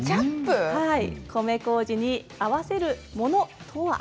米こうじに合わせるのは。